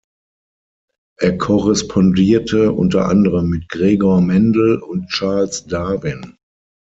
Er korrespondierte unter anderem mit Gregor Mendel und Charles Darwin.